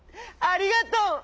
ありがとう！」。